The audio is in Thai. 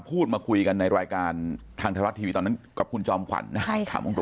พูดมาคุยกันในรายการทางไทยรัฐทีวีตอนนั้นกับคุณจอมขวัญนะใช่ค่ะ